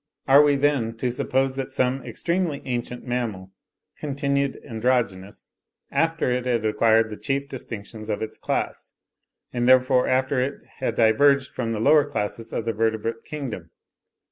Are we, then, to suppose that some extremely ancient mammal continued androgynous, after it had acquired the chief distinctions of its class, and therefore after it had diverged from the lower classes of the vertebrate kingdom?